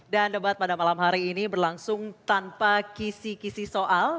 dan debat pada malam hari ini berlangsung tanpa kisi kisi soal